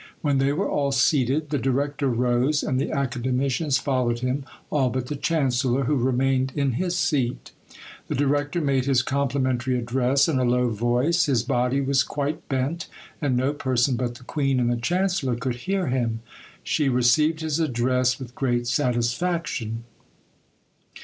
When they were all seated the director rose, and the academicians followed him, all but the chancellor, who remained in his seat. The director made his complimentary address in a low voice, his body was quite bent, and no person but the queen and the chancellor could hear him. She received his address with great satisfaction.